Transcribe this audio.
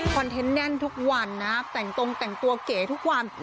เทนต์แน่นทุกวันนะแต่งตรงแต่งตัวเก๋ทุกวัน